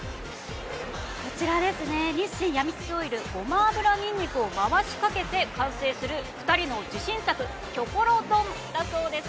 こちらですね日清やみつきオイルごま油にんにくを回しかけて完成する、２人の自信作キョコロ丼だそうです。